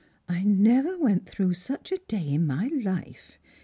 " I never went through such a day in my hfe.